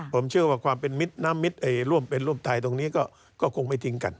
ผมเชื่อว่าความเป็นมิตรน้ำมิตรร่วมเป็นร่วมไทยตรงนี้ก็คงไม่ทิ้งกัน